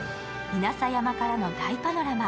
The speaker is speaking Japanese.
稲佐山からの大パノラマ。